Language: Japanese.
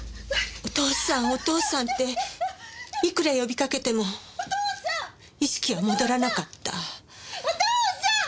お父さんお父さんっていくら呼びかけても意識は戻らなかった。